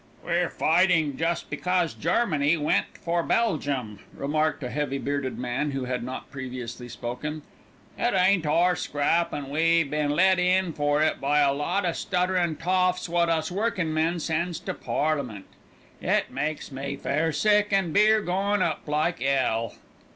"We're fightin' just because Germany went for Belgium," remarked a heavy bearded man who had not previously spoken. "It ain't our scrap, an' we been let in for it by a lot o' stutterin' toffs wot us workin' men sends to Parliament. It makes me fair sick, an' beer goin' up like 'ell."